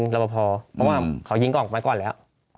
แต่ว่าเขายิงออกไว้ก่อนแล้ว